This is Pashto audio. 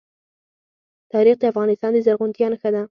تاریخ د افغانستان د زرغونتیا نښه ده.